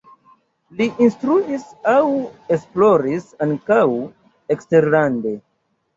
Li instruis aŭ esploris ankaŭ eksterlande.